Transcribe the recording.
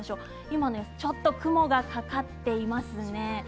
ちょっと雲がかかっていますね。